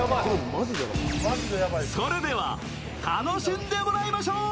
それでは、楽しんでもらいましょう